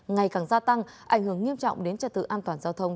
ngày càng gia tăng ảnh hưởng nghiêm trọng đến trật tự an toàn giao thông